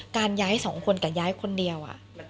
การย้ายสองคนกับย้ายคนเดียว